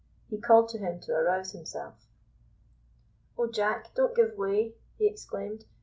He called to him to arouse himself. "Oh, Jack, don't give way," he exclaimed.